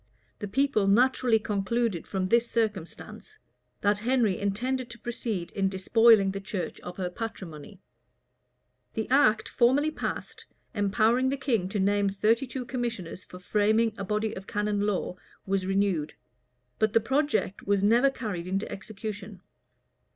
The people naturally concluded from this circumstance, that Henry intended to proceed in despoiling the church of her patrimony.[v] The act formerly passed, empowering the king to name thirty two commissioners for framing a body of canon law, was renewed; but the project was never carried into execution.